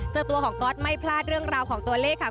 ตัวของก๊อตไม่พลาดเรื่องราวของตัวเลขค่ะ